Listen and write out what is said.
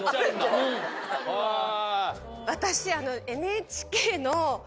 私。